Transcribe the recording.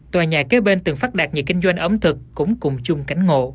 tòa nhà kế bên từng phát đạt nhiều kinh doanh ẩm thực cũng cùng chung cánh ngộ